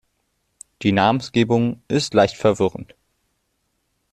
Die Namengebung ist leicht verwirrend.